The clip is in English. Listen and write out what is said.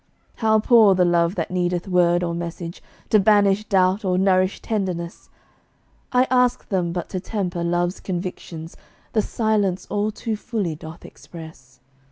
How poor the love that needeth word or message, To banish doubt or nourish tenderness! I ask them but to temper love's convictions The Silence all too fully doth express.